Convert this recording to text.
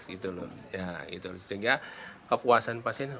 sehingga kepuasan pasien